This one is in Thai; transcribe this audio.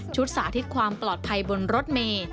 สาธิตความปลอดภัยบนรถเมย์